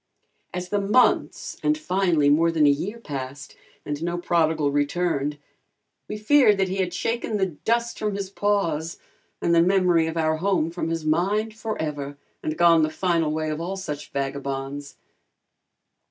As the months and finally more than a year passed and no prodigal returned, we feared that he had shaken the dust from his paws and the memory of our home from his mind, forever, and gone the final way of all such vagabonds.